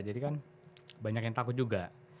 jadi kan banyak yang takut juga